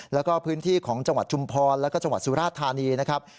แล้วก็พื้นที่ของจังหวัดชุมพรแล้วก็จังหวัดสุราธานีนะครับ